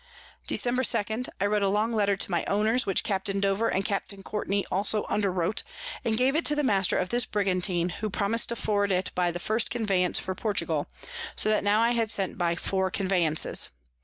Dec. 2. I wrote a long Letter to my Owners, which Captain Dover and Captain Courtney also underwrote, and gave it the Master of this Brigantine, who promis'd to forward it by the first Conveyance for Portugal; so that now I had sent by four Conveyances.